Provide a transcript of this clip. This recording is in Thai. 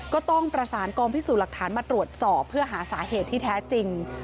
ก็ต้องประสานกองพิสูจน์หลักฐานมาตรวจสอบเพื่อหาสาเหตุที่แท้จริง